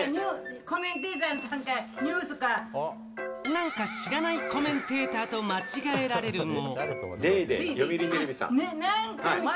何か知らないコメンテーターと間違えられると。